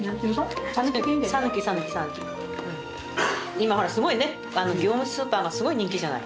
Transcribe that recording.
今ほらすごいね業務スーパーがすごい人気じゃない。